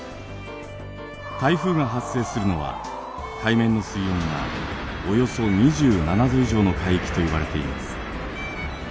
台風が発生するのは海面の水温がおよそ２７℃以上の海域といわれています。